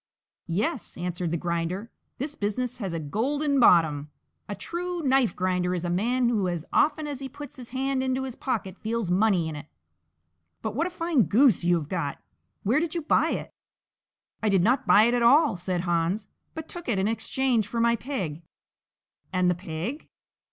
"Yes," answered the Grinder, "this business has a golden bottom! A true knife grinder is a man who as often as he puts his hand into his pocket feels money in it! But what a fine goose you have got; where did you buy it?" "I did not buy it at all," said Hans, "but took it in exchange for my pig." "And the pig?"